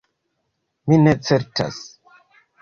"Mi ne certas."